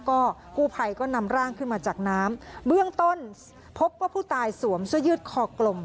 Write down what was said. ก็กู้ภัยก็นำร่างขึ้นมาจากน้ำเบื้องต้นพบว่าผู้ตายสวมเสื้อยืดคอกลม